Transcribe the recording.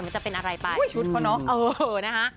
มันจะเป็นอะไรป่ะชุดเขาน้องเออนะคะ